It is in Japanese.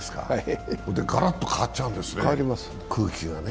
ガラッと変わっちゃうんですね、空気がね。